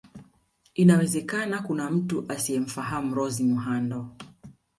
Inawezeka kuna mtu asiyemfahamu Rose Muhando